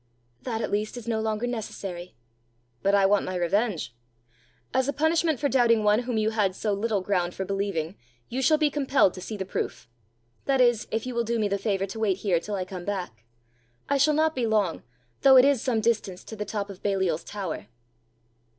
"That, at least, is no longer necessary!" "But I want my revenge. As a punishment for doubting one whom you had so little ground for believing, you shall be compelled to see the proof that is, if you will do me the favour to wait here till I come back. I shall not be long, though it is some distance to the top of Baliol's tower."